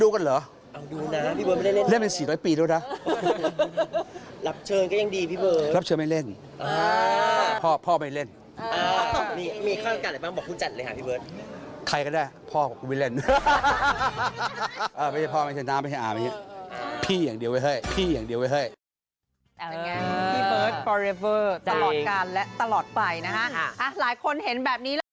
ก็จะเห็นแบบนี้ละครับ